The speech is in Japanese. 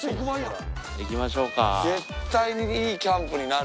行きましょうか！